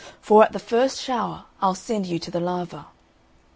for, at the first shower, I'll send you to the Lava."